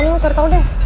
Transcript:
ini lo cari tau deh